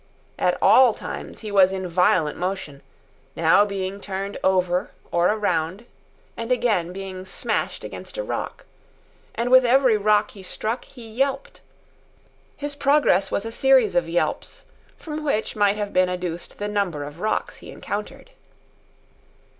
At all times he was in violent motion, now being turned over or around, and again, being smashed against a rock. And with every rock he struck, he yelped. His progress was a series of yelps, from which might have been adduced the number of rocks he encountered.